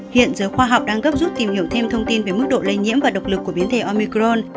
hiện giới khoa học đang gấp rút tìm hiểu thêm thông tin về mức độ lây nhiễm và độc lực của biến thể omicron